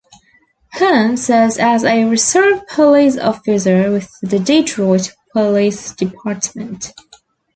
Hearns serves as a Reserve Police Officer with the Detroit Police Department.